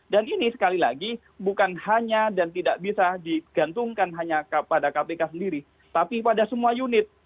dan ini sekali lagi bukan hanya dan tidak bisa digantungkan hanya pada kpk sendiri tapi pada semua unit